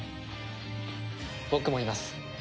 僕もいます。